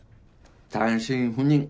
単身赴任。